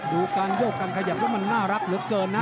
ดูการโยกการขยับว่ามันน่ารักเหลือเกินนะ